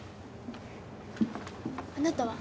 あなたは？